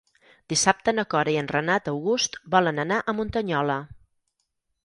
Dissabte na Cora i en Renat August volen anar a Muntanyola.